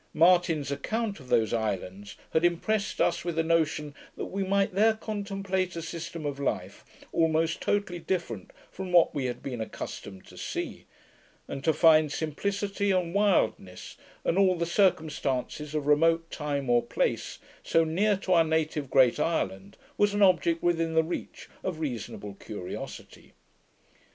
Martin's Account of those islands had impressed us with a notion that we might there contemplate a system of life almost totally different from what we had been accustomed to see; and, to find simplicity and wildness, and all the circumstances of remote time or place, so near to our native great island, was an object within the reach of reasonable curiosity.